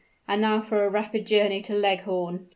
And now for a rapid journey to Leghorn!"